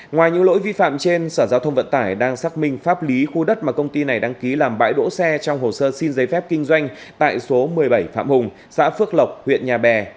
ngoài những lỗi vi phạm trên sở giao thông vận tải đang xác minh pháp lý khu đất mà công ty này đăng ký làm bãi đỗ xe trong hồ sơ xin giấy phép kinh doanh tại số một mươi bảy phạm hùng xã phước lộc huyện nhà bè